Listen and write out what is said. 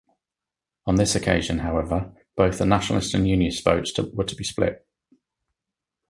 On this occasion, however, both the nationalist and unionist votes were to be split.